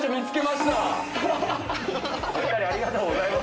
お二人ありがとうございます。